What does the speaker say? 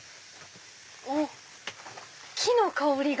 おっ木の香りが！